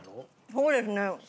そうですね。